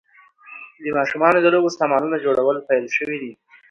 د ماشومانو د لوبو سامانونو جوړول پیل شوي دي.